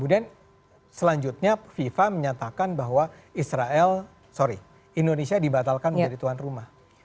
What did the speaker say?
kemudian selanjutnya fifa menyatakan bahwa israel sorry indonesia dibatalkan menjadi tuan rumah